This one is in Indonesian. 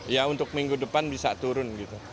ya untuk minggu depan bisa turun gitu